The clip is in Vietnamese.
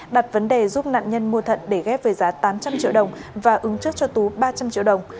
đặt vấn đề giúp nạn nhân mua thận để ghép về giá tám trăm linh triệu đồng và ứng trước cho tú ba trăm linh triệu đồng